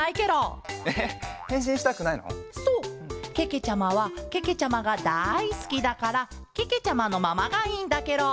けけちゃまはけけちゃまがだいすきだからけけちゃまのままがいいんだケロ。